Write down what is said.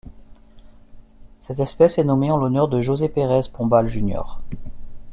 Cette espèce est nommée en l'honneur de José Perez Pombal Jr..